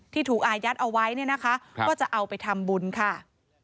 ที่ถูกอายัดเอาไว้เนี่ยนะคะก็จะเอาไปทำบุญค่ะ